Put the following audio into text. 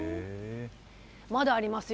まだありますよ。